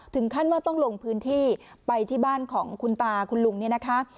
ถึงขั้นว่าต้องลงพื้นที่ไปที่บ้านของคุณตาคุณลุงเนี่ยนะคะ